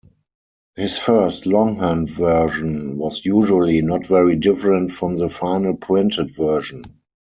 His first longhand version was usually not very different from the final printed version.